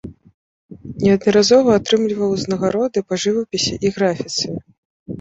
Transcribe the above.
Неаднаразова атрымліваў ўзнагароды па жывапісе і графіцы.